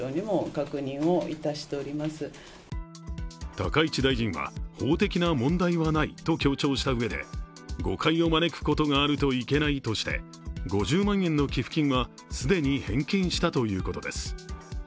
高市大臣は法的な問題はないと強調したうえで誤解を招くことがあるといけないとして５０万円の寄付金は既に返金したということです